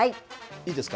いいですか。